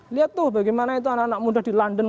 lihat tuh bagaimana itu anak anak muda di london